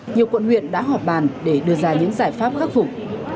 nhiều quận huyện đã họp bàn để đưa ra những giải pháp khắc phục